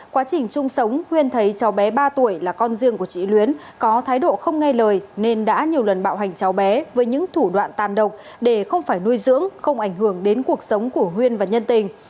quá trình chung sống huyên thấy cháu bé ba tuổi là con riêng của chị luyến có thái độ không nghe lời nên đã nhiều lần bạo hành cháu bé với những thủ đoạn tàn độc để không phải nuôi dưỡng không ảnh hưởng đến cuộc sống của huyên và nhân tình